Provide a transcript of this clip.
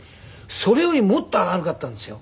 それよりもっと明るかったんですよ。